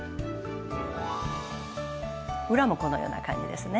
裏もこのような感じですね。